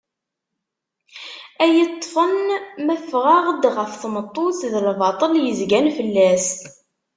Ad iyi-ṭfen ma fɣeɣ-d ɣef tmeṭṭut d lbaṭel yezgan fell-as.